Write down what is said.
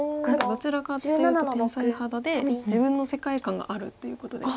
どちらかっていうと天才肌で自分の世界観があるっていうことで。